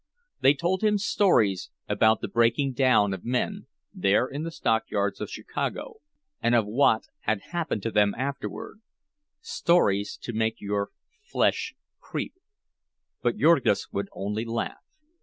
They told him stories about the breaking down of men, there in the stockyards of Chicago, and of what had happened to them afterward—stories to make your flesh creep, but Jurgis would only laugh.